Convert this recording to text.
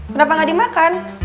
kenapa gak dimakan